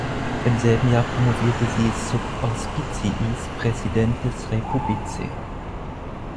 Im selben Jahr promovierte sie "sub auspiciis Praesidentis rei publicae".